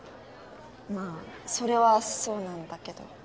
まぁそれはそうなんだけど。